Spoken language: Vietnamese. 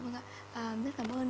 rất cảm ơn